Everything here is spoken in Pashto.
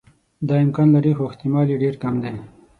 دا امکان لري خو احتمال یې ډېر کم دی.